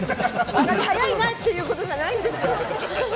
あがり速いなっていうことじゃないんですよ。